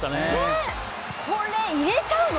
これ、入れちゃうの？